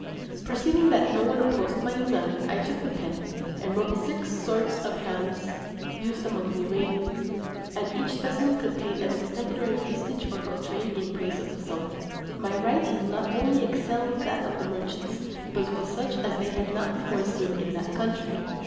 Perceiving that no one opposed my design, I took the pen, and wrote six sorts of hands used among the Arabians, and each specimen contained an extemporary distich or quatrain in praise of the sultan. My writing not only excelled that of the merchants, but was such as they had not before seen in that country.